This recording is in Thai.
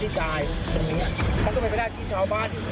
ที่กายตรงนี้มันต้องเป็นวิญญาณที่ชาวบ้านอยู่